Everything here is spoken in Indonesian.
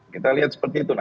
kita lihat seperti itu